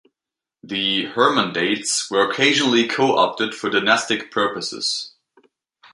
The "hermandades" were occasionally co-opted for dynastic purposes.